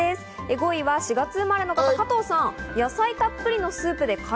５位は４月生まれの方、加藤さん。